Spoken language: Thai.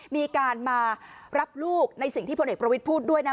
มีการมารับลูกในสิ่งที่พลเอกประวิทย์พูดด้วยนะ